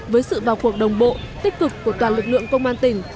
với sự vào cuộc đồng bộ tích cực của toàn lực lượng công an tỉnh